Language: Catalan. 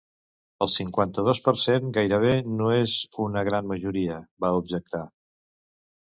El cinquanta-dos per cent gairebé no és una gran majoria, va objectar